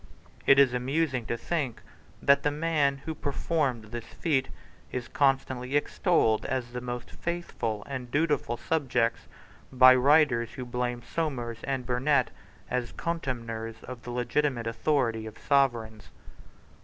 It is amusing to think that the man who performed this feat is constantly extolled as the most faithful and dutiful of subjects by writers who blame Somers and Burnet as contemners of the legitimate authority of Sovereigns.